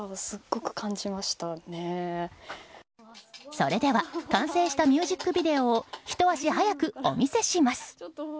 それでは完成したミュージックビデオをひと足早くお見せします。